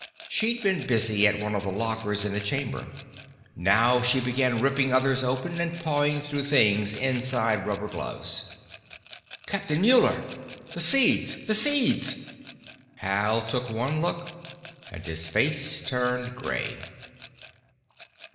She'd been busy at one of the lockers in the chamber. Now she began ripping others open and pawing through things inside rubber gloves. "Captain Muller! The seeds! The seeds!" Hal took one look, and his face turned gray.